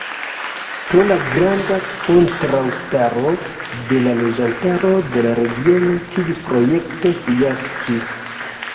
Pro la granda kontraŭstaro de la loĝantaro de la regiono, tiu projekto fiaskis.